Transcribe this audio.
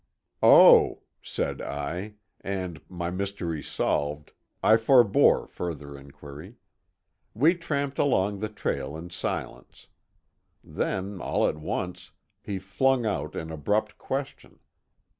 "Oh," said I, and, my mystery solved, I forbore further inquiry. We tramped along the trail in silence. Then, all at once, he flung out an abrupt question.